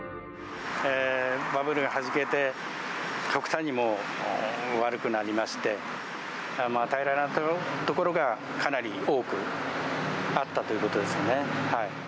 バブルがはじけて、極端にもう悪くなりまして、耐えられなかったところがかなり多くあったということですよね。